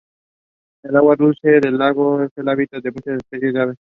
El agua dulce del lago es el hábitat de muchas especies de aves.